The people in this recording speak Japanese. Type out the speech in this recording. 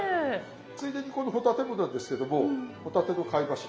ついでにこの帆立てもなんですけども帆立ての貝柱。